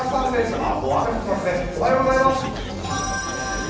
ああ、もう雨降ってますねおはようございます。